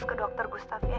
periksa ke dokter gustaf ya